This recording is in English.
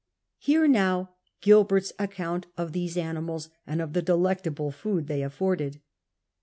'' Hear now Gilbert's account of these animals, and of the delectable food they afforded.